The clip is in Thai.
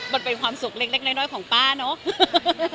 มันเป็นความสุขเล็กน้อยของป้าเนอะ